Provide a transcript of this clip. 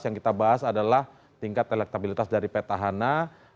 yang kita bahas adalah tingkat elektabilitas dari petahana